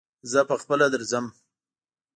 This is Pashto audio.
زه په خپله درځم